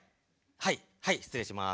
はいはい失礼します。